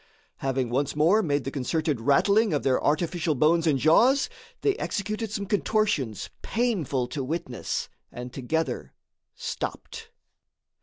Having once more made the concerted rattling of their artificial bones and jaws, they executed some contortions painful to witness and together stopped.